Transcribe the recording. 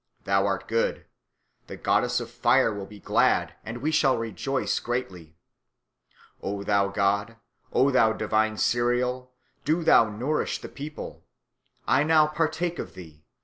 Thou art good. The goddess of fire will be glad, and we also shall rejoice greatly. O thou god, O thou divine cereal, do thou nourish the people. I now partake of thee.